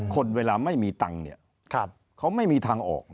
คนเวลาไม่มีตังค์เขาไม่มีทางออก